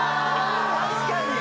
「確かに！」